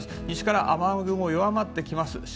西から雨雲が弱まってきます。